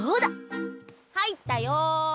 入ったよ。